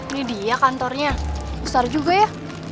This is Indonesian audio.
ini dia kantornya besar juga ya